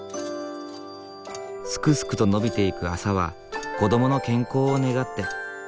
すくすくと伸びていく麻は子どもの健康を願って。